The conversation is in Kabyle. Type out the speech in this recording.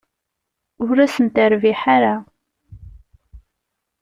Ur asen-terbiḥ ara.